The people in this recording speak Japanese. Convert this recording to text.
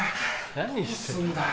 何してんだよ